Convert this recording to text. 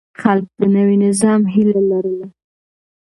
خلک د نوي نظام هيله لرله.